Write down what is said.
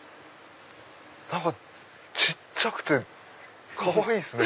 小っちゃくてかわいいっすね。